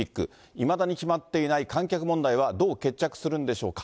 いまだに決まっていない観客問題は、どう決着するんでしょうか。